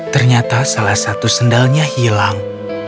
ternyata salah satu sendalnya hilang